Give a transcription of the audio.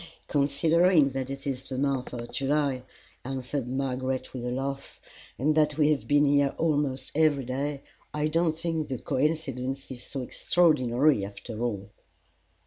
"Considering that it is the month of July," answered Margaret with a laugh, "and that we have been here almost every day, I don't think the coincidence is so extraordinary, after all."